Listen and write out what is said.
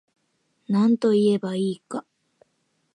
なんといえば良いか